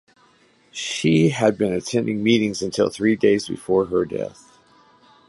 She had been attending meetings until three days before her death.